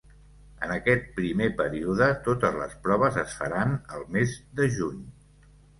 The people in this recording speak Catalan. En aquest primer període, totes les proves es faran al mes de juny.